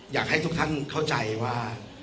อยากให้ทุกท่านเข้าใจว่า